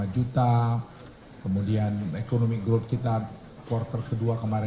dua ratus enam puluh lima juta kemudian ekonomi growth kita quarter kedua kemarin lima dua puluh tujuh